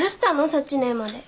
幸姉まで。